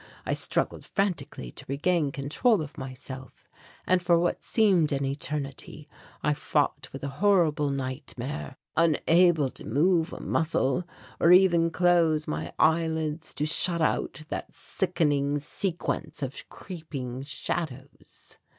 I struggled frantically to regain control of myself; and, for what seemed an eternity, I fought with a horrible nightmare unable to move a muscle or even close my eyelids to shut out that sickening sequence of creeping shadows.